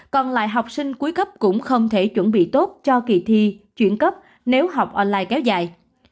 còn lại học sinh cuối cấp cũng không thể chuẩn bị tốt cho kỳ thi chuyển cấp nếu học online kéo dài